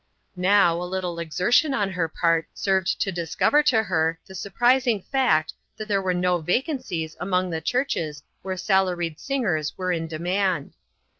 " Now, a little exertion on her part served to discover to her the surprising fact that there were no vacancies among the churches where salaried singers were in de mand.